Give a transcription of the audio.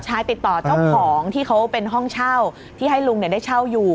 ชายติดต่อเจ้าของที่เขาเป็นห้องเช่าที่ให้ลุงได้เช่าอยู่